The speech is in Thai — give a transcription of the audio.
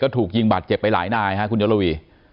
ถูกยิงบาดเจ็บไปหลายนายฮะคุณยลวี